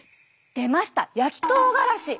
出ました焼きとうがらし。